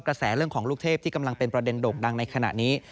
กระแสเรื่องของลูกเทพที่กำลังเป็นประเด็นโด่งดังในขณะนี้